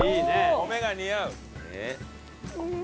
米が似合う！